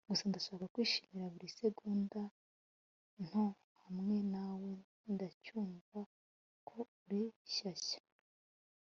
gusa ndashaka kwishimira buri segonda nto hamwe nawe, ndacyumva ko uri shyashya